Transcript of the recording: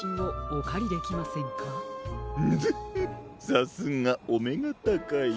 さすがおめがたかい。